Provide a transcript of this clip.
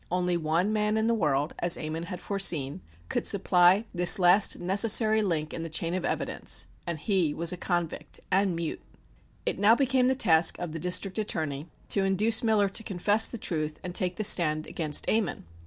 Only one man in the world, as Ammon had foreseen, could supply this last necessary link in the chain of evidence and he was a convict and mute. It now became the task of the District Attorney to induce Miller to confess the truth and take the stand against Ammon.